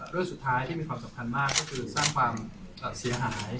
เรื่องสุดท้ายที่มีความสำคัญมากก็คือสร้างความเสียหาย